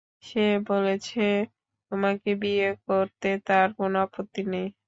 সে বলেছে তোমাকে বিয়ে করতে তার কোন আপত্তি নেই।